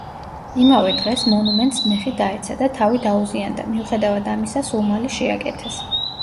იმავე დღეს, მონუმენტს მეხი დაეცა და თავი დაუზიანდა, მიუხედავად ამისა, სულ მალე შეაკეთეს.